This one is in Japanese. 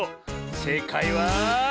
せいかいは。